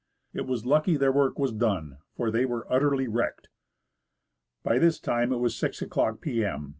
It was lucky their work was done, for they were utterly wrecked. By this time it was 6 o'clock p.m.